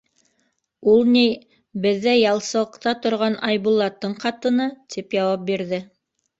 Ул ни, беҙҙә ялсылыҡта торған Айбулаттың ҡатыны, — тип яуап бирҙе.